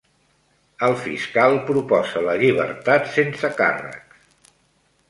El fiscal proposa la llibertat sense càrrecs.